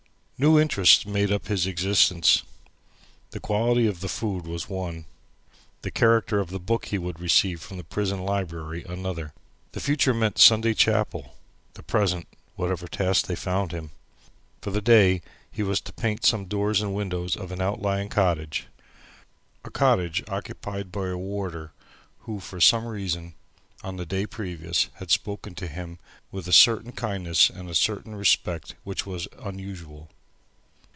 New interests made up his existence. The quality of the food was one. The character of the book he would receive from the prison library another. The future meant Sunday chapel; the present whatever task they found him. For the day he was to paint some doors and windows of an outlying cottage. A cottage occupied by a warder who, for some reason, on the day previous, had spoken to him with a certain kindness and a certain respect which was unusual.